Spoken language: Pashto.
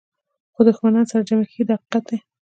خو دښمنان سره جمع کېږي دا حقیقت دی.